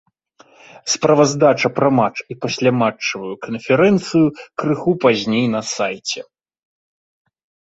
Справаздача пра матч і пасляматчавую канферэнцыю крыху пазней на сайце.